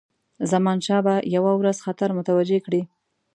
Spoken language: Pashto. زمانشاه به یو ورځ خطر متوجه کړي.